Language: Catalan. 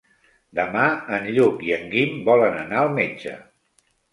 Demà en Lluc i en Guim volen anar al metge.